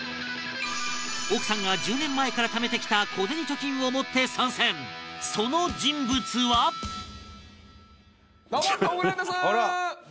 奥さんが１０年前から貯めてきた小銭貯金を持って参戦その人物はどうも！